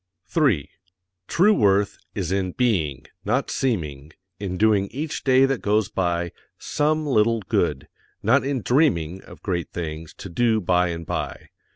3. TRUE WORTH is in BEING NOT SEEMING in doing each day that goes by SOME LITTLE GOOD, not in DREAMING of GREAT THINGS _to do by and by.